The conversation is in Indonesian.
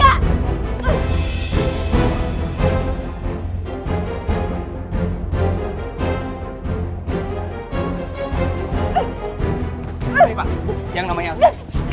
baik pak yang namanya elsa